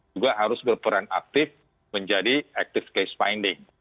juga harus berperan aktif menjadi active case finding